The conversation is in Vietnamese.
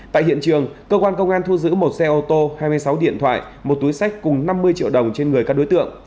tại hiện trường cơ quan công an thu giữ một xe ô tô hai mươi sáu điện thoại một túi sách cùng năm mươi triệu đồng trên người các đối tượng